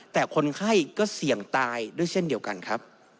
แต่คนไข้ก็เสี่ยงตายด้วยเช่นเดียวกันครับ